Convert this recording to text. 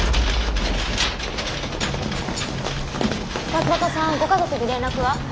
松本さんご家族に連絡は？